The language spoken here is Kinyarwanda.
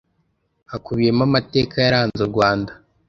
hakubiyemo amateka yaranze u rwanda,